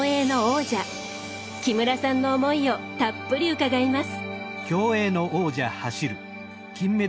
木村さんの思いをたっぷり伺います。